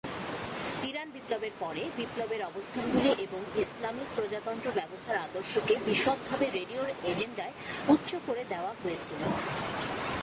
Iran বিপ্লবের পরে, বিপ্লবের অবস্থানগুলি এবং ইসলামিক প্রজাতন্ত্র ব্যবস্থার আদর্শকে বিশদভাবে রেডিওর এজেন্ডায় উচ্চ করে দেওয়া হয়েছিল।